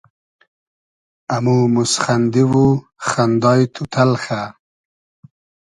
امو موسخئندی و خئندای تو تئلخۂ